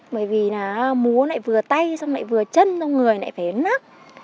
bởi vì là múa lại vừa tay xong lại vừa chân xong người lại phải nác